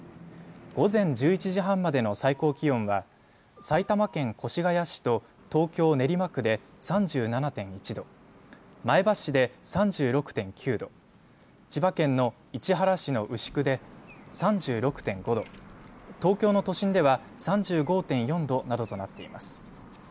午前１１時半までの最高気温は埼玉県越谷市と東京、練馬区で３７．１度前橋市で３６．９度千葉県の市原市の牛久で３６．５度東京の都心では３５．４度などとなっています。